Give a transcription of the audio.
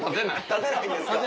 立てないんですか。